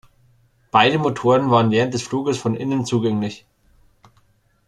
Beide Motoren waren während des Fluges von innen zugänglich.